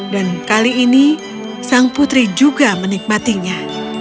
kali ini sang putri juga menikmatinya